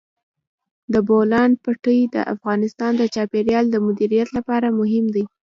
د بولان پټي د افغانستان د چاپیریال د مدیریت لپاره مهم دي.